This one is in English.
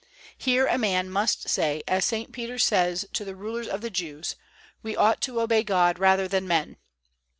Here a man must say as St. Peter says to the rulers of the Jews: "We ought to obey God rather than men."